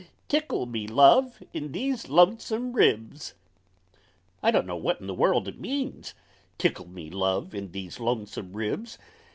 Tickle me, Love, in these Lonesome Ribs! I don't know what in the world it means Tickle me, Love, in these Lonesome Ribs!